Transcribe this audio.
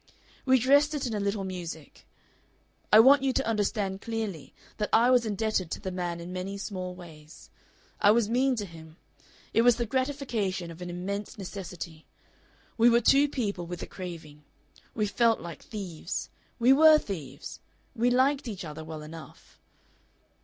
We dressed it in a little music.... I want you to understand clearly that I was indebted to the man in many small ways. I was mean to him.... It was the gratification of an immense necessity. We were two people with a craving. We felt like thieves. We WERE thieves.... We LIKED each other well enough.